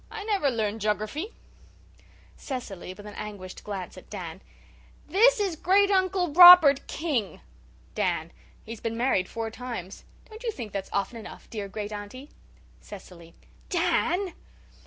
I never learned jogerfy.'" CECILY, WITH AN ANGUISHED GLANCE AT DAN: "This is Great uncle Robert King." DAN: "He's been married four times. Don't you think that's often enough, dear great aunty?" CECILY: "(Dan!!)